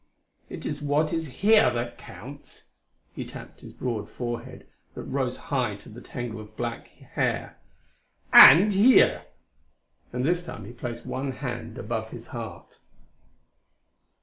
It is what is here that counts," he tapped his broad forehead that rose high to the tangle of black hair "and here," and this time he placed one hand above his heart.